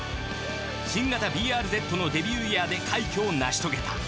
新型ＢＲＺのデビューイヤーで快挙を成し遂げた。